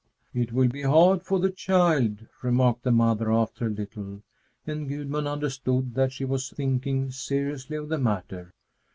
"It will be hard for the child," remarked the mother after a little, and Gudmund understood that she was thinking seriously of the matter.